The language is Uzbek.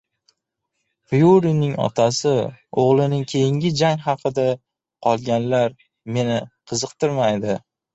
Fyurining otasi o‘g‘lining keyingi jang haqida: "Qolganlar meni qiziqtirmaydi..."